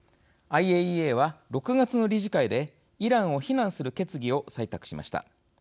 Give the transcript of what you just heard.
ＩＡＥＡは、６月の理事会でイランを非難する決議を採択しました。